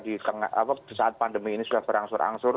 di saat pandemi ini sudah berangsur angsur